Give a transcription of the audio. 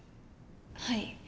はい。